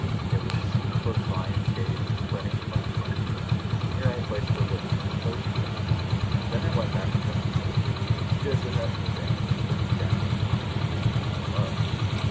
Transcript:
There was a seat close by in shade of a spreading plane tree, and here I placed her whilst she composed herself. Then I went back to Hutcheson, who stood without moving, looking down on the angry cat below.